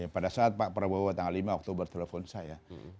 pada saat pak prabowo tanggal lima oktober telepon saya